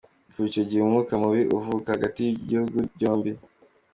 Kuva icyo gihe umwuka mubi uvuka hagati y’ibihugu byombi.